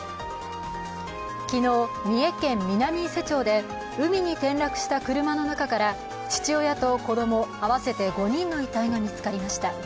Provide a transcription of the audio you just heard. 昨日、三重県南伊勢町で海に転落した車の中から父親と子ども合わせて５人の遺体が見つかりました。